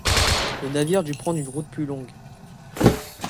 Le navire dut prendre une route plus longue.